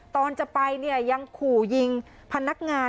ตอนจะไปยังขู่ยิงพนักงาน